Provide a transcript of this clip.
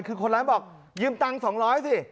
คือคนร้ายบอกยืมตังค์๒๐๐สิ